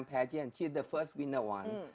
dia adalah yang pertama yang menang